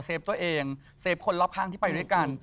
ตัวเองเซฟคนรอบข้างที่ไปด้วยกัน